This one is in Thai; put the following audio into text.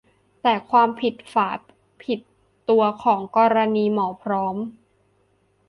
แต่ความผิดฝาผิดตัวของกรณีหมอพร้อม